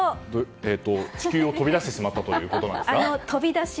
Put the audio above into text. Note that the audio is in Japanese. えーと地球を飛び出してしまったということですか？